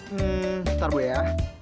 hmm ntar bu ya